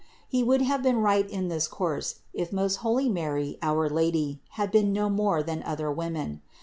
He would have been right in this course if most holy Mary, our Lady, had been no more than other women.